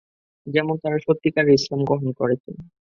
যেমন তারা সত্যিকারে ইসলাম গ্রহণ করেছেন।